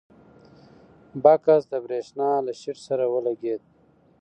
بکس د برېښنا له شیټ سره ولګېد.